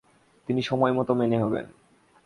তিনি সময়মতো মেনে হবেন।